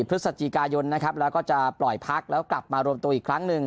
แล้วก็จะปล่อยพักแล้วกลับมารวมตัวอีกครั้งนึง